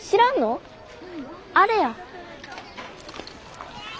あれや。